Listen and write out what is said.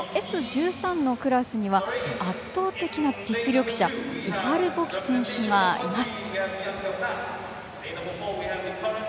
このＳ１３のクラスには圧倒的な実力者イハル・ボキ選手がいます。